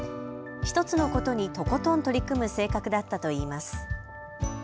１つのことにとことん取り組む性格だったといいます。